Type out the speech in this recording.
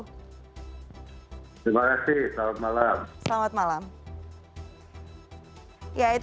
terima kasih selamat malam